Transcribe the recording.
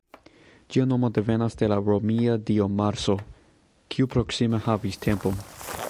Ĝia nomo devenas de la romia dio Marso, kiu proksime havis templon.